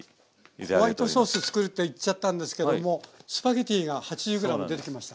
あら。ホワイトソース作るって言っちゃたんですけどもスパゲッティが８０ｇ出てきました。